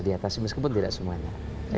diatasi meskipun tidak semuanya